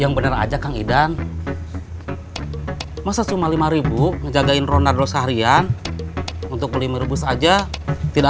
yang bener aja kang idan masa cuma rp lima menjaga inronado seharian untuk beli merebus aja tidak